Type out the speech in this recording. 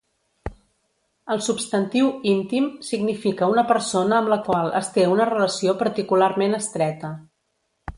El substantiu "íntim" significa una persona amb la qual es té una relació particularment estreta.